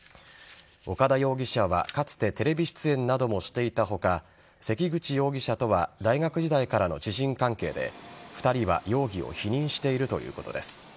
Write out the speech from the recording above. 岡田容疑者はかつてテレビ出演などもしていた他関口容疑者とは大学時代からの知人関係で２人は容疑を否認しているということです。